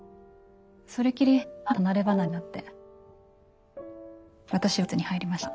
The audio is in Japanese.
それきり母とは離れ離れになって私は施設に入りました。